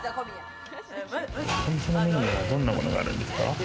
お店のメニューはどんなものがあるんですか？